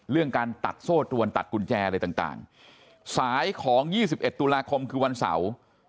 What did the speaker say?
เรื่องการตัดโซ่ตรวนตัดกุญแจอะไรต่างสายของ๒๑ตุลาคมคือวันเสาร์